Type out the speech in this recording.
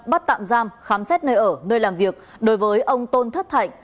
bắt tạm giam khám xét nơi ở nơi làm việc đối với ông tôn thất thạnh